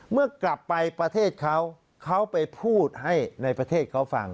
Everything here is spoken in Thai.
เมื่อกลับไปประเทศเขาเขาไปพูดให้ในประเทศเขาฟัง